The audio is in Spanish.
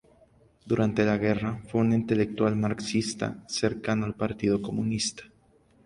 Durante la guerra, fue un intelectual marxista cercano al partido comunista.